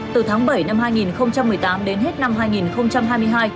từ tháng bảy năm hai nghìn một mươi tám đến hết năm hai nghìn hai mươi hai